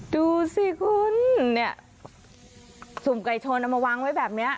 ดูสิคุณเนี่ยสุ่มไก่ชนเอามาวางไว้แบบนี้